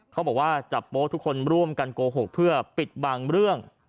เขาบอกว่าจับโป๊ทุกคนร่วมกันโกหกเพื่อปิดบางเรื่อง